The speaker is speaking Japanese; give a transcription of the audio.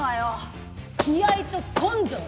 気合と根性だろ。